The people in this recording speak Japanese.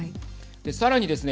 さらにですね